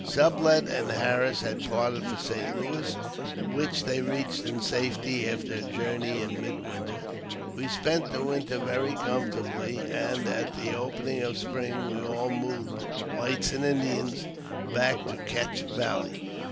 Sublet and Harris had parted for St. Louis, which they reached in safety after a journey in mid winter. We spent the winter very comfortably, and at the opening of spring we all moved — whites and Indians — back to Cache Valley.